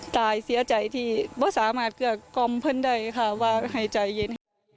ตายเสียใจที่ไม่สามารถเกือบกรอบเพื่อนใดค่ะว่าหายใจเย็น